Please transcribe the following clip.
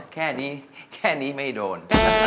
แค่นี้แค่นี้ไม่โดน